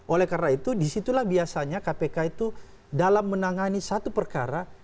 oleh karena itu disitulah biasanya kpk itu dalam menangani satu perkara